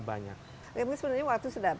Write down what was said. banyak sebenarnya waktu sudah